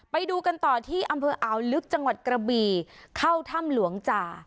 ไปดูกันต่อที่อำเภออ่าวลึกจังหวัดกระบีเข้าถ้ำหลวงจ่า